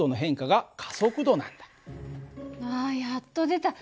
あやっと出た。